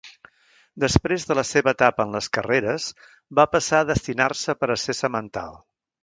Després de la seva etapa en les carreres, va passar a destinar-se per a ser semental.